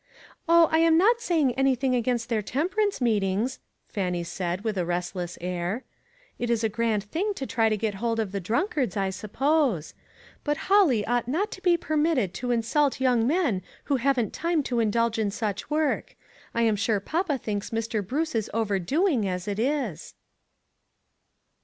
" Oh, I am not saying anything against their temperance meetings," Fannie said, with a restless air. "It is a grand thing to try to get hold of the drunkards, I suppose. But Holly ought not to be per mitted to insult young men who haven't time to indulge in such work. I am sure papa thinks Mr. Bruce is overdoing, as it is."